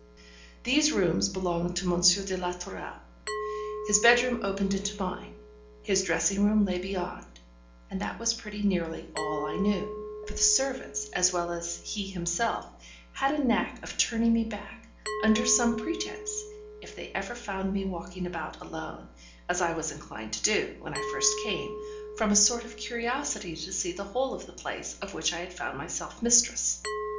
These rooms belonged to M. de la Tourelle. His bedroom opened into mine, his dressing room lay beyond; and that was pretty nearly all I knew, for the servants, as well as he himself, had a knack of turning me back, under some pretence, if ever they found me walking about alone, as I was inclined to do, when first I came, from a sort of curiosity to see the whole of the place of which I found myself mistress.